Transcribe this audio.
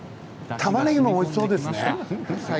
たまねぎもおいしそうですね。